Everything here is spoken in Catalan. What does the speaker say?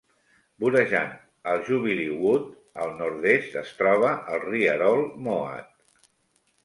Vorejant el Jubilee Wood al nord-est es troba el rierol Moat.